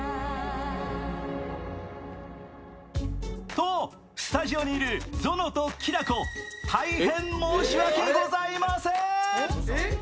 と、スタジオにいるゾノときらこ、大変申し訳ございません。